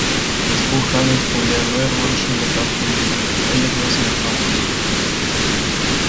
Das Buch handelt von der neurologischen Betrachtung von religiösen Erfahrungen.